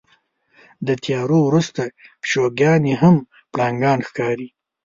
د تیارو وروسته پیشوګانې هم پړانګان ښکاري.